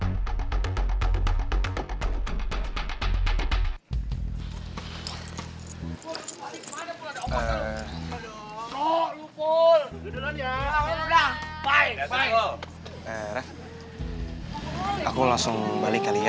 pak porque aku harus balik kali